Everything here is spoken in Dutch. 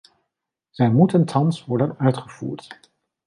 Zij moeten thans worden uitgevoerd.